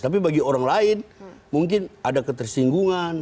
tapi bagi orang lain mungkin ada ketersinggungan